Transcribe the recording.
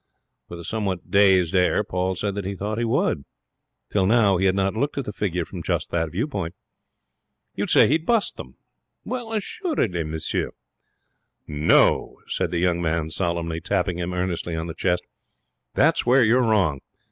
With a somewhat dazed air Paul said that he thought he would. Till now he had not looked at the figure from just that view point. 'You'd say he'd bust them?' 'Assuredly, monsieur.' 'No!' said the young man, solemnly, tapping him earnestly on the chest. 'That's where you're wrong.